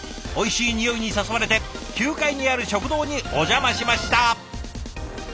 おいしい匂いに誘われて９階にある食堂にお邪魔しました。